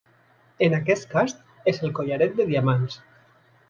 En aquest cas, és el collaret de diamants.